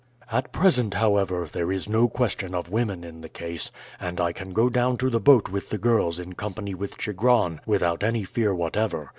"At present, however, there is no question of women in the case; and I can go down to the boat with the girls in company with Chigron without any fear whatever.